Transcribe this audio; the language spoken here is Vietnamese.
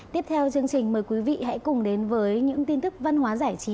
tiếp theo chương trình mời quý vị hãy cùng đến với những tin tức văn hóa giải trí